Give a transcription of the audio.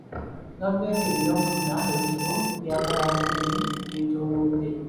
Gavumenti erina okufuna ebifo bya kalantiini ebyetongodde.